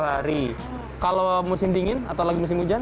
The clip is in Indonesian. dua hari kalau musim dingin atau lagi musim hujan